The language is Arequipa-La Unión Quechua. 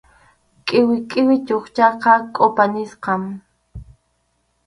Qʼiwi qʼiwi chukchaqa kʼupa nisqam.